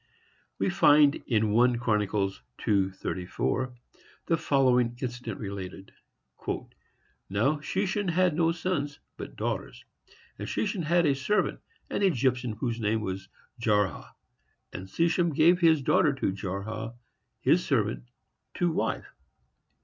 We find, in 1 Chron. 2:34, the following incident related: "Now, Sheshan had no sons, but daughters. And Sheshan had a servant, an Egyptian, whose name was Jarha. And Sheshan gave his daughter to Jarha, his servant, to wife."